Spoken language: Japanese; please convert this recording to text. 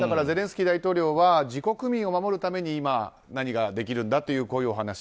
ゼレンスキー大統領は自国民を守るために今、何ができるんだというお話。